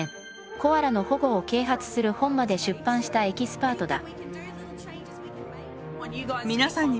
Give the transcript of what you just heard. コアラの保護を啓発する本まで出版したエキスパートだ。